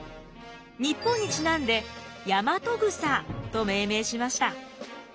日本にちなんでヤマトグサと命名しました。